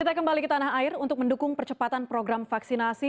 kita kembali ke tanah air untuk mendukung percepatan program vaksinasi